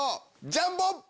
ジャンボ！